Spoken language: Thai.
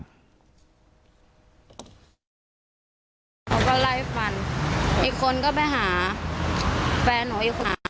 เขาก็ไล่ฟันอีกคนก็ไปหาแฟนหนู